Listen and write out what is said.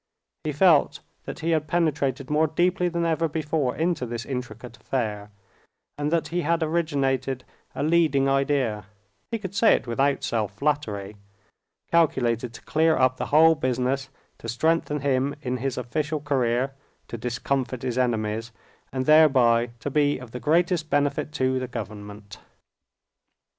He felt that he had penetrated more deeply than ever before into this intricate affair, and that he had originated a leading idea—he could say it without self flattery—calculated to clear up the whole business, to strengthen him in his official career, to discomfit his enemies, and thereby to be of the greatest benefit to the government.